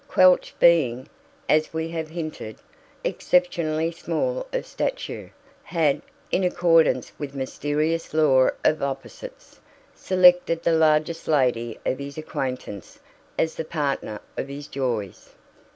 Quelch being, as we have hinted, exceptionally small of stature, had, in accordance with mysterious law of opposites, selected the largest lady of his acquaintance as the partner of his joys.